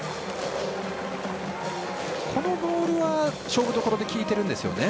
このボールは勝負どころで効いてるんですよね。